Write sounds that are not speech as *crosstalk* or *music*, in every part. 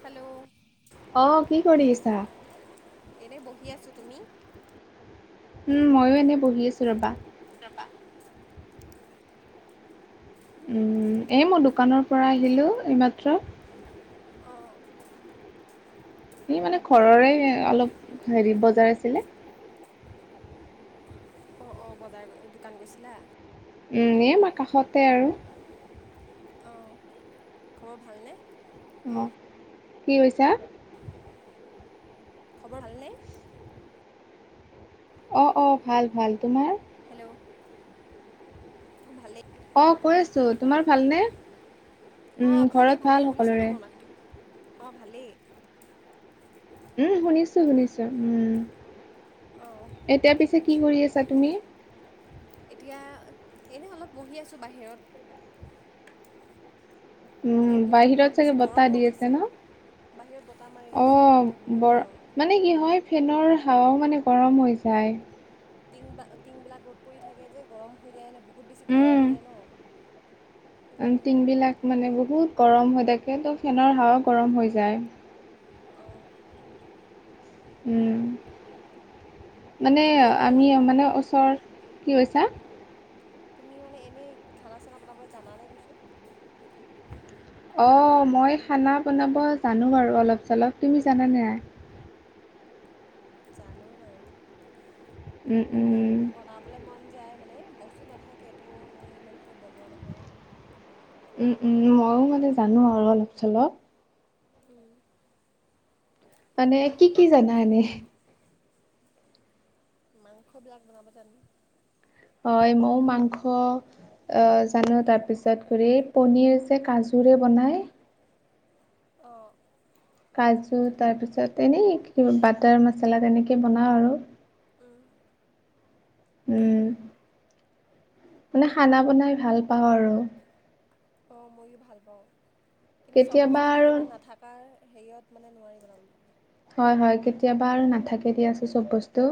Hello অ কি কৰি আছা? এনে বহি আছো তুমি? উম ময়ো এনেই বহি আছো ৰবা ৰবা উম এ মই দোকানৰ পৰা আহিলোঁ এইমাত্ৰ অঁ হি মানে ঘৰৰে অলপ হেৰি বজাৰ আছিলে অ অ বজাৰ দোকান গৈছিলা? এনে মই কাষতে আৰু অঁ খবৰ ভালনে অঁ কি কৈছা খবৰ ভালনে? অ অ ভাল ভাল। তোমাৰ? হেল্ল' ভালেই অ কৈ আছোঁ তোমাৰ ভালনে উম, অঁ ঘৰত ভালেই ভাল ভালেই শুনিছানে সকলোৰে। মোৰ মাতটো অঁ ভালেই উম শুনিছো শুনিছো উম অঁ এতিয়া পিছে কি কৰি আছা তুমি এতিয়া এনে অলপ বহি আছোঁ বাহিৰত মানে উম ভিতৰত বহুত বাহিৰত বেছি চাগে গৰম বতাহ হৈ দি আছে গৈছে ন বাহিৰত বতাহ মাৰি অ আছে ভিতৰত বহুত বৰ গৰম মানে কি হয় ফেনৰ খাৱাও মানে গৰম হৈ যায় টিং টিং বিলাক ৰদ পৰি থাকে যে গৰম হৈ যায় নে বহুত বেছি গৰম উম। হৈ যায় ন সেইকাৰণে টিংবিলাক মানে বহুত গৰম হৈ থাকে তো ফেনৰ হাঁৱাত গৰম হৈ যায় অহ উম মানে তুমি এনেই আমি মানে ওচৰত কি কৈছা তুমি মানে এনেই খানা চানা বনাবলৈ জানা নে কৈছোঁ অ মই খানা বনাব জানো বাৰু অলপ চলপ। তুমি জানা নাই? জানো বাৰু। উম উম। বনাবলে মন যায় মানে বস্তু নাথাকেটো ইমান সেই বনোৱা নহয়। উম উম ময়ো মানে জানো আৰু অলপ চলপ। উম। মানে কি কি জানা এনেই? মাংসবিলাক বনাব জানো। হয় মই মাংস আ জানো তাপাছত হেৰি পনিৰ যে কজুৰে নাই। অ। কাজু তাৰপিছত এনেই বাটাৰ মচালা তেনেকে বনাওঁ আৰু। উম মানে খানা বনাই ভাল পাওঁ আৰু। অ ময়ো ভাল পাওঁ কিন্তু চব কেতিয়াবা বস্তু আৰু কেতিয়াবা নাথাকাৰ হেৰিয়ত মানে নোৱাৰি বনাবলৈ। হয় হয় কেতিয়াবা আৰু নাথাকে দিয়া চব বস্তু।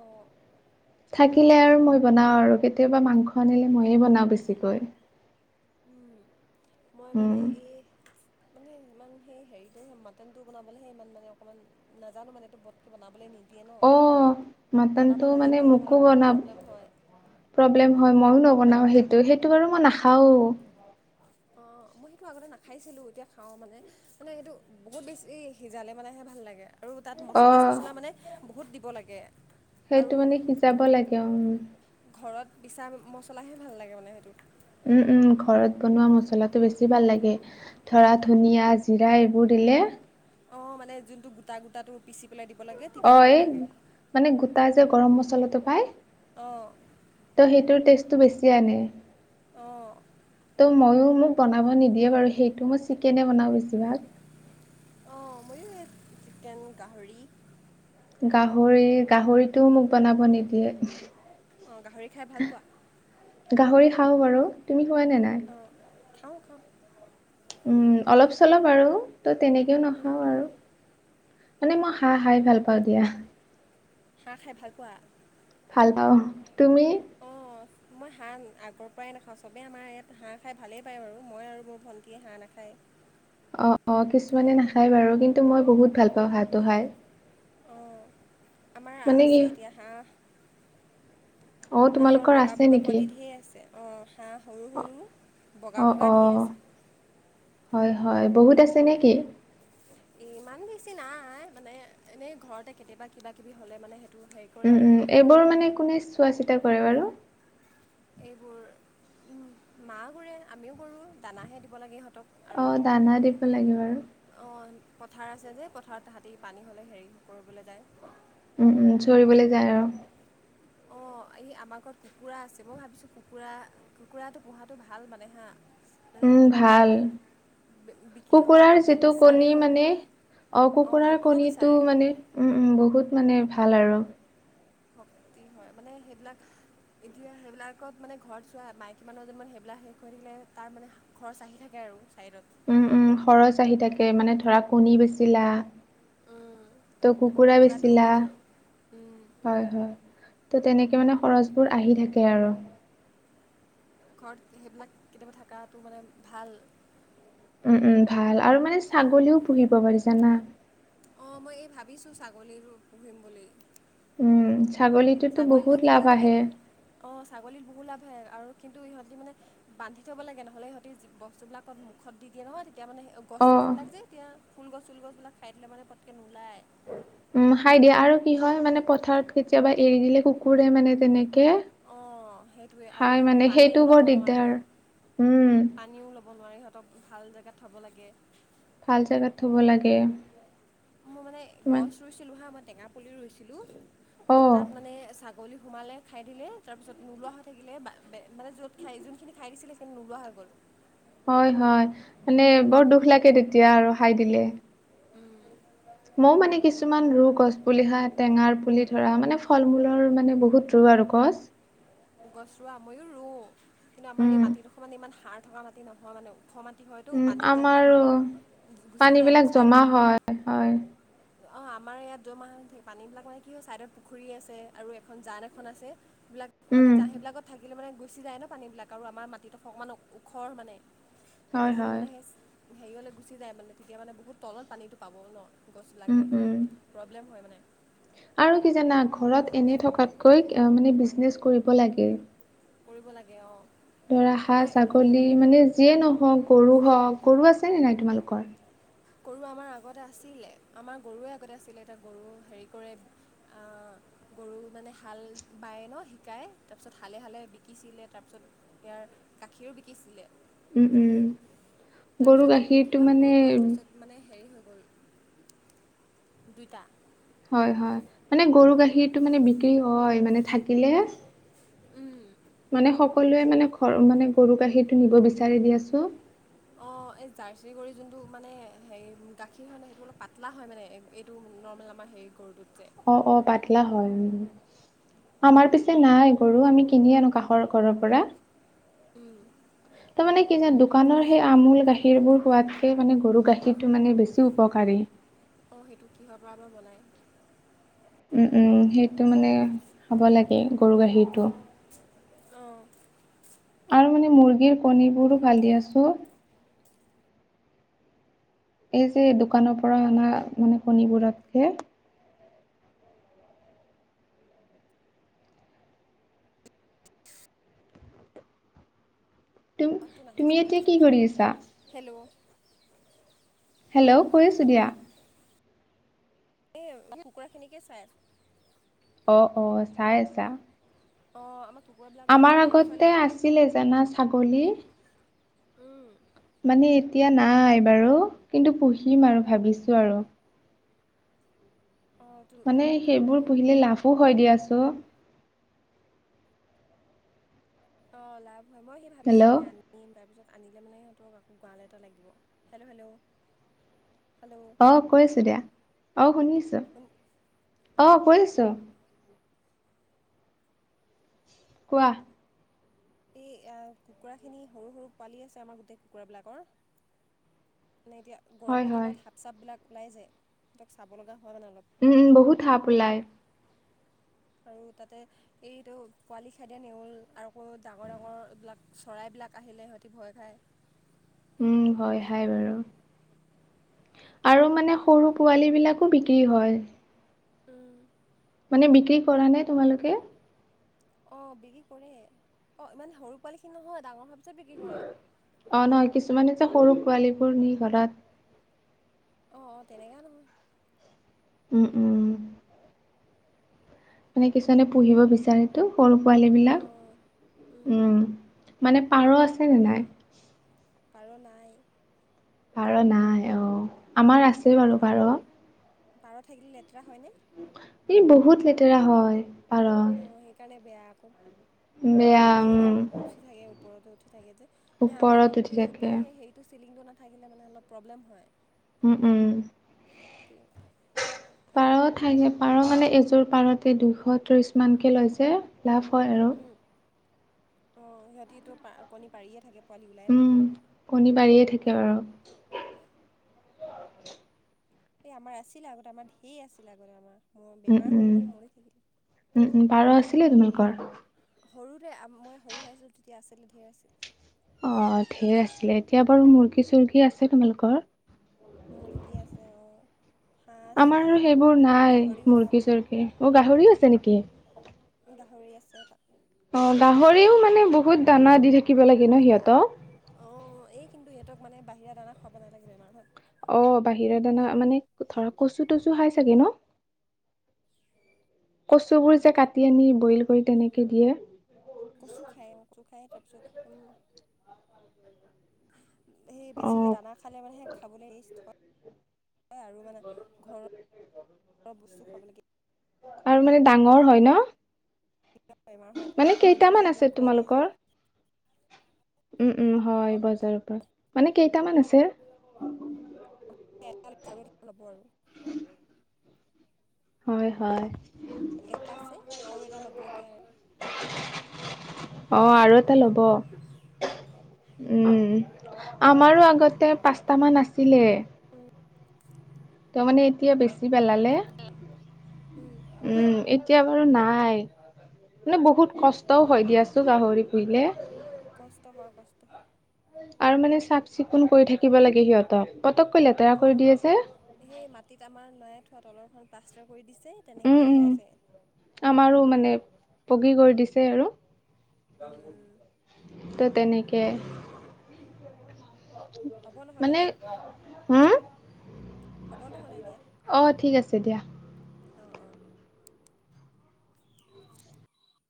অ। থাকিলে আৰু মই বনাওঁ আৰু কেতিয়াবা মাংস আনিলে ময়ে বনাওঁ বেছিকৈ। উম মই মানে উম এই মানে *unintelligible* ইমান সেই হেৰিটো মাটন টো বনাবলেহে ইমান মানে অকমান নাজানো মানেটো বটকে বনাবলৈ নি দিয়ে ন। বনাব মাটনতটো মানে নাজানিলে এইটো মোকো অলপ বনা প্ৰব্লেম হয় প্ৰব্লেম হয় মইও নবনাও সেইটো সেইটো বাৰু মই নাখাও। অ', মই সেইটো আগতে নাখাইছিলোঁ এতিয়া খাওঁ মানে মানে সেইটো বহুত বেছি সিজালে মানেহে ভাল লাগে। আৰু তাত অ মছলা চছলা মানে বহুত দিব লাগে। আৰু সেইটো মানে সিজাব লাগে অ উ। ঘৰত পিছা মচলাহে ভাল লাগে মানে সেইটো। উম উম ঘৰত বনোৱা মছলাটো বেছি ভাল লাগে ধৰা ধনিয়া জিৰা এইবোৰ। দিলে। অ মানে যোনতটো গোটা গোটা টো পিচি পেলাই দিব লাগে তেতিয়া অ ভাল এই লাগে মানে গোটাই যে গৰম মছলাটো পাই। অ', ত' সেইটোৰ টেষ্টটো বেছি আনে। অ', তো ময়ো। মোক বনাব নিদিয়ে বাৰু সেইটো মই চিকেনে বনাওঁ বেছিভাগ। অ', এই চিকেন গাহৰি। গাহৰি গাহৰিটোও মোক বনাব নিদিয়ে। অ গাহৰি খাই ভাল পোৱা? গাহৰি খাওঁ বাৰু। তুমি খোৱা নে নাই? অ', খাওঁ খাওঁ। উম অলপ চলপ আৰু ত' তেনেকেও উম, নাখাওঁ আৰু মানে মই হাঁহ খাই ভাল পাওঁ দিয়া। হাঁহ খাই ভাল পোৱা? তুমি অ', হয়। মই হাঁহ আগৰ পৰাই নাখাওঁ চবেই আমাৰ ইয়াত হাঁহ খাই ভালেই পায় বাৰু মই আৰু মোৰ ভণ্টীয়ে হাঁহ নাখায়। অ অ কিছুমানে নাখায় বাৰু কিন্তু মই বহুত ভাল পাওঁ হাঁহটো খাই। আহ আমাৰ মানে কি আছে এতিয়া হাঁহ। অ', হাঁহৰ তোমালোকৰ বগা আছে বগা নেকি? পোৱালি ঢেৰ আছে। অঁ হাঁহ সৰু অ সৰু বগা অ বগা অ ঢেৰ আছে হয়। হয়। বহুত আছে নে কি? ইমান বেছি নাই মানে এনেই ঘৰতে কেতিয়াবা কিবা কিবি হলে মানে। হেৰি কৰে উম উম আৰু এইবোৰ মানে কোনে চোৱা চিতা কৰে বাৰু। এইবোৰ মা কৰে আমিও কৰোঁ দানাহে দিব লাগে সঁত। অ দানা দিব লাগে বাৰু। অঁ পথাৰ আছে যে পথাৰত তাহাঁতি পানী হ'লে হেৰি কৰিবলৈ যায়। উ চৰিবলৈ যায় আৰু। অঁ এই আমাৰ ঘৰত কুকুৰা আছে মই ভাবিছোঁ কুকুৰা কুকুৰাটো পোহাটো ভাল মানে হাঁ। উম ভাল বি- বিক্ৰী হয় কুকুৰাৰ মানুহে যিটো কণী বিচাৰেও মানে। অ অঁ কুকুৰাৰ সেইটোও কণীটো বিচাৰে মানে উম উম বহুত মানে ভাল আৰু। *unintelligible* কি হয় মানে সেইবিলাক। এতিয়া সেইবিলাকত মানে ঘৰত চোৱা মাইকী মানুহ এজন মান সেইবিলাক শেষ কৰি থাকিলে তাৰ মানে খৰচ আহি থাকে আৰু। চাইডত। উম উম খৰচ আহি থাকে মানে ধৰা কণী বেচিলা। উম, তো আকৌ কুকুৰা কুকুৰাটো বেচিলা। বিকি উম, হয় হয় ত' তেনেকে মানে খৰচবোৰ আহি থাকে আৰু। ঘৰত সেইবিলাক কেতিয়াবা থকাটো মানে ভাল। উম উম ভাল আৰু মানে ছাগলীও পুহিব পাৰি জানা। অ মই এই ভাবিছোঁ ছাগলীৰ পুহিম বুলি। উম ছাগলীটোতো ছাগলীটো বহুত কিন্তু লাভ মানে আহে। অঁ ছাগলীত বহু লাভে আৰু কিন্তু ইহঁতি মানে বান্ধি থ'ব লাগে নহ'লে ইহঁতি বস্তুবিলাকত। মুখত দি দিয়ে নয় তেতিয়া মানে গছ চছ অ'। বিলাক যে এতিয়া ফুল গছ চুল গছ বিলাক খাই দে মানে পতকে নোলায়। উম খাই দিয়ে আৰু কি হয় মানে পথাৰত কেতিয়াবা এৰি দিলে কুকুৰে মানে তেনেকে। অঁ সেইটোৱে আৰু হাই ইহঁতি মানে পানীও সেইটোও ল'ব বৰ দিগদাৰ উম। থ'ব নোৱাৰি সিহঁতক ভাল জেগাত থ'ব লাগে। ফাল জেগাত থ'ব লাগে। মই মানে কিমান গছ ৰুইছিলো হা মই টেঙা পুলিও ৰুইছিলো ত অ', তাত মানে। বাগলি সোমালে খাই দিলে তাৰপিছত নোলোৱা হৈ থাকিলে মানে য'ত খাই যোনখিনি খাই দিছিলে। নোলোৱা হৈ গ'ল। হয় হয় মানে বৰ দুখ লাগে তেতিয়া আৰু খাই দিলে। উম *unintelligible* মইও মানে কিছুমান ৰু গছ পুলি হা টেঙাৰ পুলি ধৰা মানে ফল মূলৰ মানে বহুত ৰ বৰগছ। গছ ৰোৱা মইো মওঁ কিন্তু আমাৰ এই উম, মাটি দুখমান ইমান সাৰ থকা মাটি নহয় মানে। খ মাটি হয়তো উম, পানীবিলাক ইমান আমাৰো গুচি যায় পানীবিলাক মানে ছাইডত। জমা হয়, হয়। অঁ *unintelligible* আমাৰ ইয়াত দ'মাহ পানী বিলাক মানে কি হয় চাইডত পুখুৰী আছে আৰু এখন জান এখন আছে সবিলাক। মানে উম, জাঁহেই বিলাকত থাকিলে মানে গুচি যায় ন পানীবিলাক আৰু আমাৰ মাটিত অ অকণমান ওখৰ মানে। বাকী হয়, খিনি হয়, মানে সেই হেৰিয়লৈ গুচি যায় মানে তেতিয়া মানে বহুত তলত পানীতো পাব ন গছিলা। উম, উম। প্ৰব্লেম হয় মানে। আৰু কি জানা ঘৰত এনেই থকাতকৈ মানে বিজনেছ কৰিব লাগে। কৰিব লাগে অ। ধৰা হাঁ ছাগলী মানে যিয়ে নহওক। গৰু হ গৰু আছে নে নাই তোমালোকৰ। গৰু আমাৰ আগতে আছিলে আমাৰ গৰুৱে আগতে আছিলে এতিয়া গৰু হেৰি কৰে। গৰু মানে হাল বায় ন শিকাই তাৰপিছত হালে হালে বিকিছিলে তাৰ পিছত। ইয়াৰ গাখীৰো বিকিছিলে। উম উম। গৰু তাৰপিছত গাখীৰটো কিবা হৈ মানে গ'ল তাৰপিছত মানে হেৰি হৈ গ। দুইটা হয় হয় মানে গৰু গাখীৰতটো মানে বিক্ৰী হয় মানে থাকিলে মানে সকলোৱে মানে ঘৰ মানে গৰু গাখীৰটো নিব বিচাৰি দি আছো। হয়। অ এই জাৰ্চি কৰি যোনটো মানে হে গাখীৰ হয় ন সেইটো অলপ পাতলা হয় মানে এইটো নৰ্মেল আমাৰ সেই কৰটো অ অ পাতলা হয় উম। আমাৰ পিছে নাই গৰু আমি কিনি আনো কাষৰ ঘৰৰ পৰা উম। তাৰ মানে কি যোন দোকানৰ সেই আমুলল গাখীৰ বোৰ সোৱাতকে মানে গৰু গাখীৰ বেছিকাৰ অঁ সেইটো কিহৰ পৰা বা বনায় ম সেইটো মানে খাব লাগে গৰু গাখীৰটো অঁ আৰু মানে মুৰ্গীৰ কণীবোৰো ভালি আছোঁ। এই যে দোকানৰ পৰা অনা মানে কণীবোৰতকে তুম মাতটো নাহিছে তুমি এতিয়া কি কৰি আছা? হেল্ল' হেল্ল' কৰিছোঁ দিয়া। এই ম কুকুৰাখিনিকে চাই আছো। অ অ চাই আছা অ আমাৰ কুকুৰাবিলাক এই আমাৰ পোৱালি আগতে ছোৱালীবিলাক আছিলে জানা ছাগলী উম মানে এতিয়া নাই বাৰু কিন্তু পুঢ়িম আৰু উম। ভাবিছো আৰু অ', তো মানে উম, সেইবোৰ উম। পুহিলে লাভো হয় দিয়াছো। অ লাভ হয় মই সেই ভাবিছো মানে হেল্ল' আনিম তাৰপিছত আনিলে মানে সিহঁতক আকৌ গড়াল এটা লাগিব হেল্ল' হেল্ল' হেল্' আহ কৰিছো দিয়া অ শুনিছো শুন আহ অ'। কৰিছো। ৱাহ। এই কুকুৰাখিনি সৰু সৰু পোৱালি আছে আমাৰ গোটেই কুকুৰাবিলাকৰ মানে এতিয়া হয় গৰমৰ হয় দিনত সাপ চাপবিলাক ওলাই যায় সিহঁক চাব লগা হয়। মানে অলপ। উম বহুত সাপ ওলায়। আৰু তাতে এইটো পোৱালি খেদেয নেউল আকৌ ডাঙৰ ডাঙৰ এইবিলাক চৰাই। এই বিলাক আহিলে সিহঁতি ভয় খায়। উম, ভয় খাই বাৰু। আৰু মানে সৰু পোৱালী বিলাকো বিক্ৰী হয়। উম। মানে বিক্ৰী কৰা নে তোমালোকে। অ বিক্ৰী কৰে অ ইমানে সৰু পোৱালি খিনি নহয় ডাঙৰ হোৱা। অ নহয় কিছুমান যে সৰু পোৱালীবোৰ নি ঘৰত। অ অ তেনেকুৱা নহয়। উম উম। মানে কিছুমানে পুহিব বিচাৰিতো সৰু পোৱালী বিলাক অঁ উম। মানে পাৰ আছেনে নে নাই? পাৰ নাই। পাৰ নাই অ আমাৰ আছে বাৰু পা পাৰ। পাৰ থাকিলে লেতেৰা হয় নে। ই বহুত লেতেৰা হয়। পাৰ অ সেইকাৰণে বেয়া আক। বেয়া উম। থাকে ওপৰতে উঠি থাকে যে নে আমাৰ ওপৰত উঠি সেই থাকে ওপৰ সেইেৰিটো চিলিংটো নাথাকিলে মানে অলপ প্ৰব্লেম হয়। উম উম। পাৰ ঠাই পাৰ মানে এযোৰ পাৰতে দুশ ত্ৰিশ মানকৈ লৈছে। লাভ হয় আৰু অ সিহঁতিটো পা কণী পাৰিয়ে থাকে। পোৱালি ওলাই উম, থাকে কণী পাৰিয়ে থাকে বাৰু। এই আমাৰ আছিল। আগতে আমাৰ ধেই আছিল আগতে আমাৰ। মোৰ বেমাৰ হৈ উম-উম, গ'ল মৰি থাকিলে উম-উম পাৰ আছিলে তোমালোকৰ? সৰুতে মই সৰু হৈ আছিলোঁ, তেতিয়া আছিলে ধেই আছিল। অ, ধেই আছিলে। এতিয়া বাৰু মুৰ্গী-চুৰ্গী আছে তোমালোকৰ? মুৰ্গী আছে অ। হাঁহ আছে আমাৰ আৰু সেইবোৰ নাই গাহৰিও আছে মুৰ্গী-চুৰ্গী। অ গাহৰিও আছে নেকি? গাহৰি আছে এটা। অ, গাহৰিও মানে বহুত দানা দি থাকিব লাগে ন সিহঁতক? অ, এই কিন্তু ইহঁতক মানে বাহিৰা দান খাব নালাগে, বেমাৰ হয়। অ, বাহিৰৰ দানা মানে ধৰা কচু তচু খাই চাগে ন? কচুবোৰ যে কাটি আনি বইল কৰি তেনেকে দিয়ে। কচু খায় অ, কচু খায় তাৰপিছত উম। সেই অ বেছিকে দানা খালে মানে সে খাবলৈ *inaudible* আৰু মানে ঘৰ বস্তু খাব লাগে আৰু মানে এই বাহি ডাঙৰ হয় ন বেমাৰ হয় মানে মুজাৰ পৰা কিনি আনে কেইটামান যে আছে এইবিলাক খুৱাই দিয়ে যে। তোমালোকৰ? উম, উম হয় অ', বজাৰৰ পৰা। মানে কেইটামান আছে? *inaudible* ল'ব আৰু হয়, হয়। এটা আছে আৰু এটা ল'ব এতিয়া। অ, আৰু এটা ল'ব। উম, আমাৰো আগতে পাঁচটা মান আছিলে। উম। ত মানে এতিয়া বেছি পেলালে, উম, উম এত তিয়া বাৰু নাই। মানে বহুত কষ্টও হয় দিয়াচোন গাহৰি পুহিলে। কষ্ট হয়, কষ্ট হয়। আৰু মানে চাফ-চিকুণ কৰি থাকিব লাগে সিহঁতক। পতককৈ লেতেৰা কৰি দিয়ে অ' যে। সেই মাটিত আমাৰ নয়াই থোৱা তলৰখন পাষ্টাৰ কৰি দিছ উম উম আমাৰো মানে পগি গৈ দিছে আৰু। উম উম ত তেনেকে হ'ব নহ'লে দিয়া। হু? হ'ব নহলে এতিয়া। অ, ঠিক আছে দিয়া। অ-অ।